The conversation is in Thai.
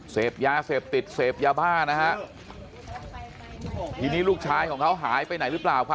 เสพยาเสพติดเสพยาบ้านะฮะทีนี้ลูกชายของเขาหายไปไหนหรือเปล่าครับ